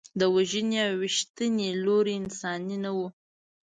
د وژنې او ویشتنې لوری انساني نه و.